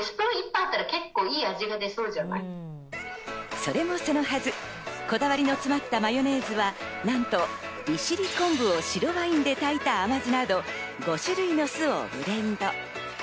それもそのはず、こだわりの詰まったマヨネーズは、なんと利尻昆布を白ワインで炊いた甘酢など、５種類の酢をブレンド。